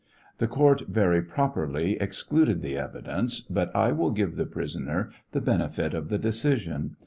The court very properly excluded 772 TRIAL OF HENRY WIRZ. the evidence, but I will give the prisoner the benefit of the decision.